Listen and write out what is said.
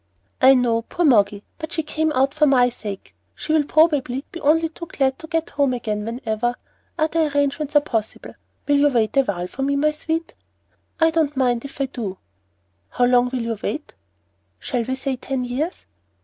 "I know. Poor Moggy! But she came out for my sake. She will probably be only too glad to get home again whenever other arrangements are possible. Will you wait a while for me, my sweet?" "I don't mind if I do." "How long will you wait?" "Shall we say ten years?"